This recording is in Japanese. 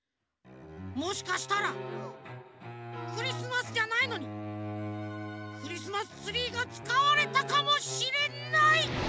もしかしたらクリスマスじゃないのにクリスマスツリーがつかわれたかもしれない。